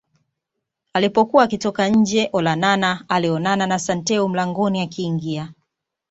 Alipokuwa akitoka nje Olonana alionana na Santeu mlangoni akiingia